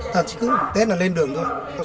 thật chứ tết là lên đường thôi